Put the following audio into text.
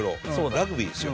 ラグビーですよ。